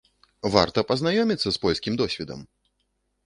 Варта пазнаёміцца з польскім досведам!